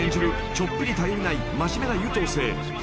ちょっぴり頼りない真面目な優等生白石恵］